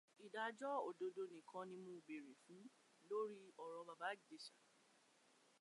Ìdájọ́ òdodo nìkan ni mò ń bèèrè fún lórí ọ̀rọ̀ Bàbá Ìjẹ̀ṣà.